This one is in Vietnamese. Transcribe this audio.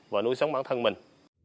và nuôi sống bản thân mình